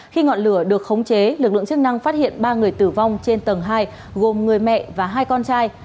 khi ngọn lửa được khống chế lực lượng chức năng phát hiện ba người tử vong trên tầng hai gồm người mẹ và hai con trai